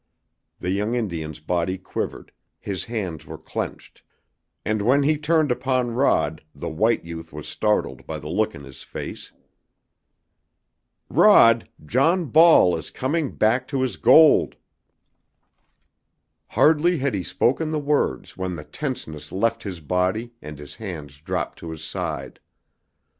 The young Indian's body quivered, his hands were clenched, and when he turned upon Rod the white youth was startled by the look in his face. "Rod, John Ball is coming back to his gold!" Hardly had he spoken the words when the tenseness left his body and his hands dropped to his side.